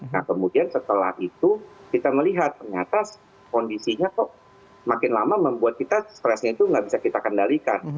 nah kemudian setelah itu kita melihat ternyata kondisinya kok makin lama membuat kita stresnya itu nggak bisa kita kendalikan